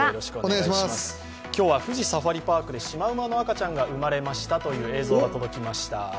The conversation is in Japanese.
今日は富士サファリパークでシマウマの赤ちゃんが生まれましたという映像が届きました。